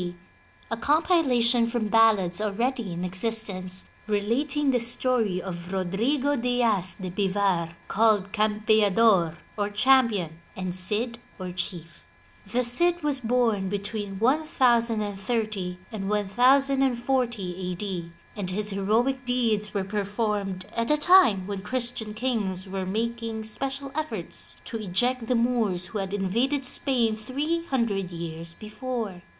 D., a compilation from ballads already in existence, relating the story of Rodrigo Diaz de Bivar, called Campeador or Champion and Cid or Chief. The Cid was bom between 1030 and 1040 A. D. and his heroic deeds were performed at a time when Christian kings were making special efforts to eject the Moors who had invaded Spain three hundred years before.